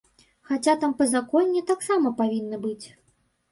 Хаця там па законе таксама павінны быць.